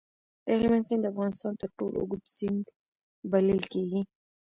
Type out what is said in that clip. د هلمند سیند د افغانستان تر ټولو اوږد سیند بلل کېږي.